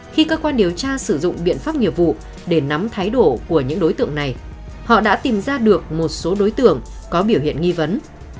khi cơ quan điều tra sử dụng biện pháp nghiệp vụ để nắm thái độ của những đối tượng này họ đã tìm ra được một số đối tượng có biểu hiện nghi vấn